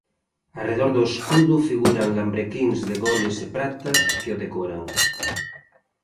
Arredor do escudo figuran lambrequíns de goles e prata que o decoran.